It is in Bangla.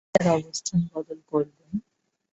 তিনি তার অবস্থান বদল করেন।